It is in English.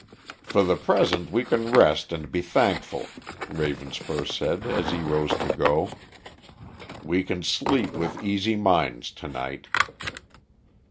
"For the present we can rest and be thankful," Ravenspur said as he rose to go. "We can sleep with easy minds to night."